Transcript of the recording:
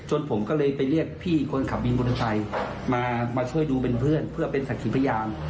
จนผมก็เลยไปเรียกพี่คนขับบินมูลไทยมาช่วยดูเป็นเพื่อนเพื่อเป็นสักทีพยาน